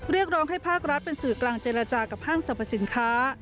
เรียกร้องให้ภาครัฐเป็นสื่อกลางเจรจากับห้างสรรพสินค้า